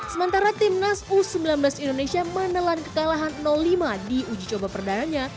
sementara tim nas u sembilan belas indonesia menelan kekalahan lima di uji coba perdaannya